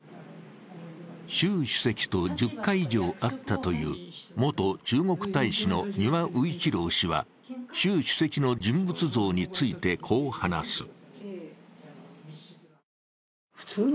習主席と１０回以上会ったという元中国大使の丹羽宇一郎氏は習主席の人物像についてこう話す。